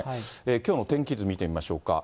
きょうの天気図見てみましょうか。